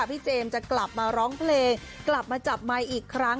เจมส์จะกลับมาร้องเพลงกลับมาจับไมค์อีกครั้ง